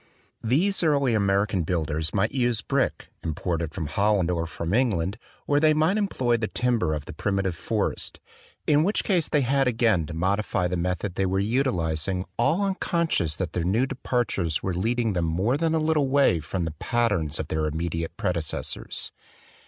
These early American builders might use brick, imported from Holland or from England, or they might employ the timber of the primitive forest, hi which case they had again to modify the method they were utilizing all unconscious that their new departures were leading them more than a little way from the patterns of their immediate predecessors.